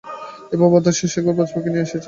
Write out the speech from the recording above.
এই প্রবল বাতাসেও, সে ঘরে বাজপাখি নিয়ে এসেছে।